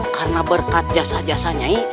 karena berkat jasa jasa nyi